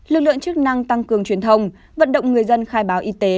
lực lượng chức năng tăng cường truyền thông vận động người dân khai báo y tế